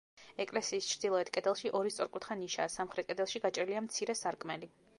ეკლესიის ჩრდილოეთ კედელში ორი სწორკუთხა ნიშაა, სამხრეთ კედელში გაჭრილია მცირე სარკმელი.